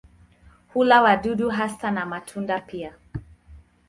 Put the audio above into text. Hula wadudu hasa na matunda pia.